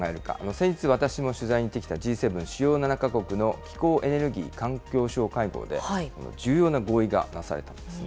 先日、私も取材に行ってきたＧ７・主要７か国の気候・エネルギー・環境相会合で、重要な合意がなされたんですね。